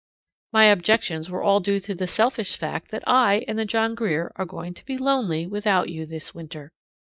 My objections were all due to the selfish fact that I and the John Grier are going to be lonely without you this winter.